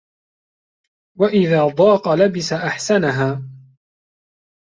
وَإِذَا ضَاقَ لَبِسَ أَحْسَنَهَا